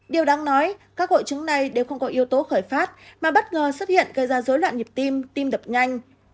điều đáng nói các hội chứng này đều không có yếu tố khởi phát mà bất ngờ xuất hiện gây ra dối loạn nhịp tim đập nhanh